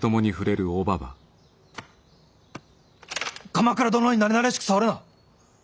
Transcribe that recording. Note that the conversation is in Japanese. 鎌倉殿になれなれしく触るな。